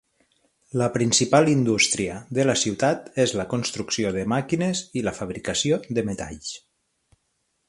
La principal indústria de la ciutat és la construcció de màquines i la fabricació de metalls.